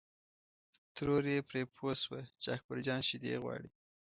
ترور یې پرې پوه شوه چې اکبر جان شیدې غواړي.